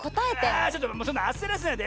あちょっとそんなあせらせないで！